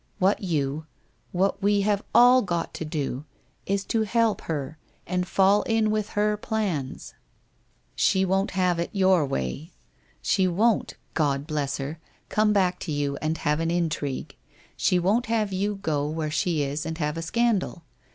What you, what we have all got to do, is to help her, and fall in with her plans. She 26 402 WHITE ROSE OF WEARY LEAF won't have it your way. She won't — God bless her! — come back to you and have an intrigue ; she won't have you go where she is and have a scandal.